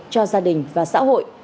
cho gia đình và xã hội